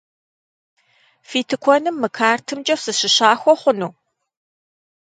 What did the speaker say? Фи тыкуэным мы картымкӏэ сыщыщахуэ хъуну?